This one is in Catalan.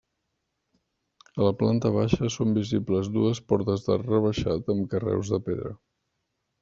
A la planta baixa són visibles dues portes d'arc rebaixat amb carreus de pedra.